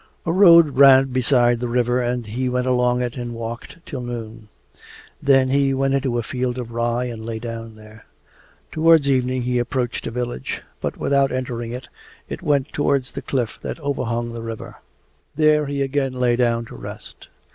A road ran beside the river and he went along it and walked till noon. Then he went into a field of rye and lay down there. Towards evening he approached a village, but without entering it went towards the cliff that overhung the river. There he again lay down to rest.